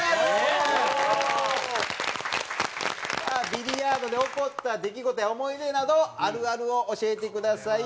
ビリヤードで起こった出来事や思い出などあるあるを教えてください。